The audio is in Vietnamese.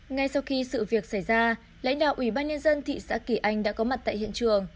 ngay sau khi sự việc xảy ra lãnh đạo ủy ban nhân dân thị xã kỳ anh đã có mặt tại hiện trường